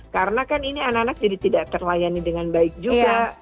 karena kan ini anak anak jadi tidak terlayani dengan baik juga